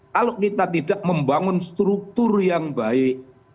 kalau kita tidak membangun struktur yang baik